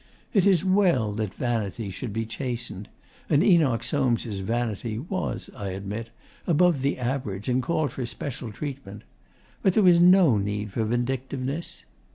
It is well that vanity should be chastened; and Enoch Soames' vanity was, I admit, above the average, and called for special treatment. But there was no need for vindictiveness.